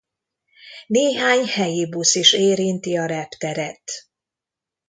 Néhány helyi busz is érinti a repteret.